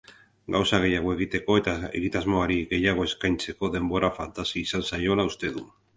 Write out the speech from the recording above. Gauza gehiago egiteko eta egitasmoari gehiago eskaintzeko denbora falta izan zaiola uste du.